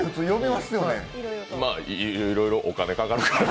まあ、いろいろお金かかるから。